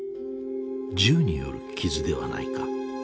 銃による傷ではないか。